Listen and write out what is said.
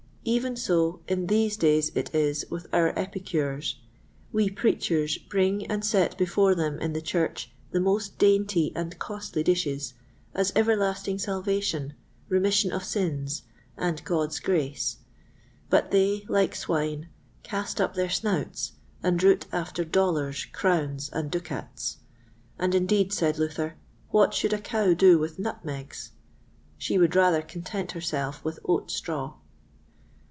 Even so, in these days it is with our Epicures; we Preachers bring and set before them in the Church the most dainty and costly dishes, as Everlasting Salvation, Remission of Sins, and God's Grace; but they, like swine, cast up their snouts, and root after Dollars, Crowns, and Ducats; and, indeed, said Luther, "what should a cow do with nutmegs?" She would rather content herself with oat straw.